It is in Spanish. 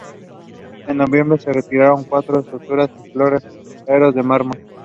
En noviembre, se retiraron cuatro estatuas y dos floreros de mármol.